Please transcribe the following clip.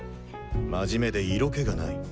真面目で色気がない。